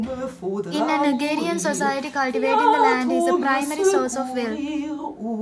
In an agrarian society cultivating the land is the primary source of wealth.